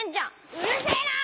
うるせえな！